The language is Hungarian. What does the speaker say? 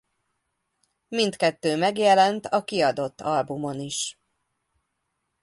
Mindkettő megjelent a kiadott albumon is.